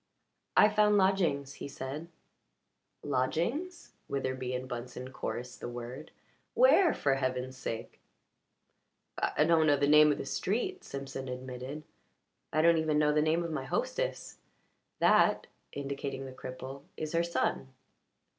"I found lodgings," he said. "Lodgings?" Witherbee and Bunsen chorused the word. "Where, for heaven's sake?" "I don't know the name of the street," Simpson admitted. "I don't even know the name of my hostess. That" indicating the cripple "is her son."